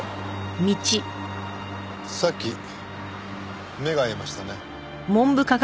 さっき目が合いましたね。